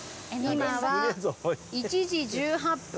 今は１時１８分。